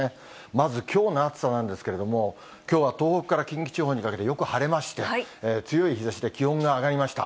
まずきょうの暑さなんですけれども、きょうは東北から近畿地方にかけてよく晴れまして、強い日ざしで気温が上がりました。